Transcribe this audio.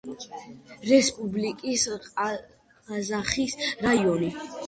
რესპუბლიკის ყაზახის რაიონი.